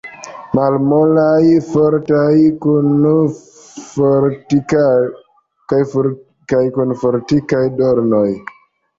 Malmolaj, fortaj, kun fortikaj dornoj.